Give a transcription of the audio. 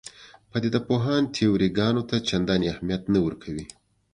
پدیده پوهان تیوري ګانو ته چندانې اهمیت نه ورکوي.